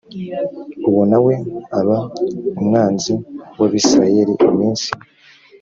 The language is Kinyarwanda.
uwo na we aba umwanzi w abisirayeli iminsi